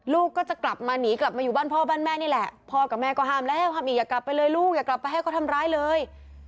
ลูกก็จะกลับมาหนีกลับมาอยู่บ้านพ่อบ้านแม่นี่แหละพ่อกับแม่ก็ห้ามแล้วห้ามอีกอย่ากลับไปเลยลูกอย่ากลับไปให้เขาทำร้ายเลย